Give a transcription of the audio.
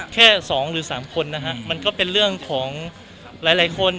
แค่สองหรือสามคนนะครับมันก็เป็นเรื่องของหลายคน